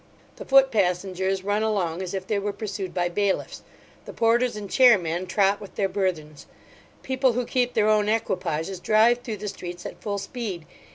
The foot passengers run along as if they were pursued by bailiffs. The porters and chairmen trot with their burthens. People, who keep their own equipages, drive through the streets at full speed.